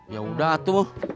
ya udah atuh